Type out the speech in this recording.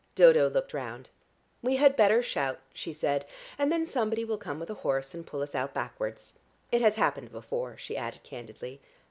Dodo looked round. "We had better shout," she said. "And then somebody will come with a horse and pull us out backwards. It has happened before," she added candidly.